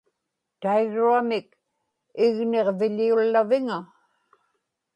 taigruamik igniġviḷiullaviŋa